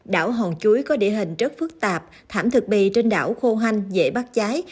đảo hòn chuối có địa hình rất phức tạp thảm thực bì trên đảo khô hanh dễ bắt cháy